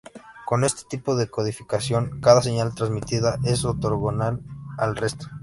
Con este tipo de codificación, cada señal transmitida es ortogonal al resto.